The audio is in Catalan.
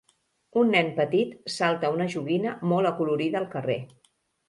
Un nen petit salta a una joguina molt acolorida al carrer.